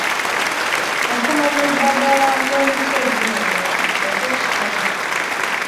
Okumanya eddagala n'emiti egiwonya nakyo kitone.